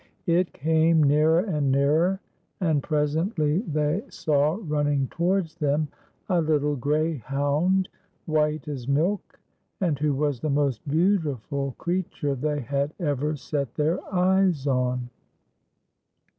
It came nearer and nearer, and presently they 77.^^ y 'S SIL VEK BELL. 123 saw ruimin;:^ towards them a little gre\'hound white as milk, and who was the most beautiful creature they had ever set their e\ es on.